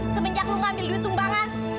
semenjak lo ngambil duit sumbangan